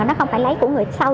nó không phải lấy của người sau